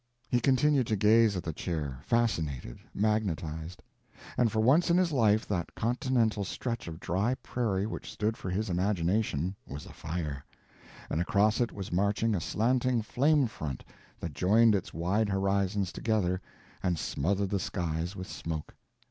He continued to gaze at the chair fascinated, magnetized; and for once in his life that continental stretch of dry prairie which stood for his imagination was afire, and across it was marching a slanting flamefront that joined its wide horizons together and smothered the skies with smoke.